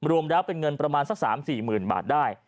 รวมแล้วเป็นเงินประมาณสัก๓๔๐๐๐บาทได้